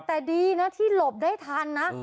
แต่ดีนะที่หลบได้ทันนะ